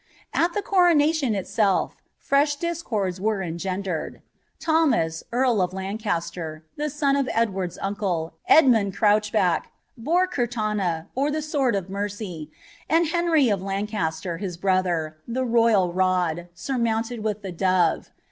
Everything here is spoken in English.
I coronation itself, fresh discords were engendered. Thomas, sncaster, the son of Edward's uncle, Edmund Crouchback, bore or the sword of mercy, and Henry of Lancaster, his brother, I rod, surmounted with the dove.